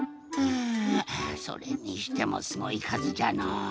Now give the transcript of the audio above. あそれにしてもすごいかずじゃの。